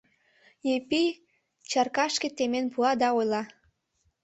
Епи чаркашке темен пуа да ойла: